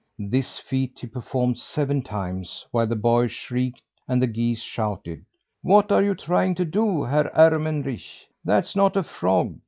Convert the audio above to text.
This feat he performed seven times, while the boy shrieked and the geese shouted: "What are you trying to do, Herr Ermenrich? That's not a frog.